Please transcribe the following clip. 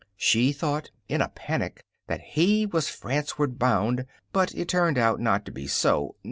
She thought, in a panic, that he was Franceward bound, but it turned out not to be so.